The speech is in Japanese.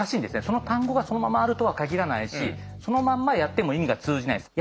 その単語がそのままあるとは限らないしそのまんまやっても意味が通じないです。